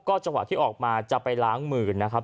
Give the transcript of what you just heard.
จังหวะที่ออกมาจะไปล้างมือนะครับ